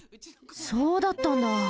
そうだったんだ。